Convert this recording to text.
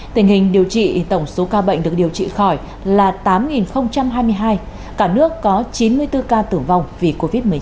tình hình điều trị tổng số ca bệnh được điều trị khỏi là tám hai mươi hai cả nước có chín mươi bốn ca tử vong vì covid một mươi chín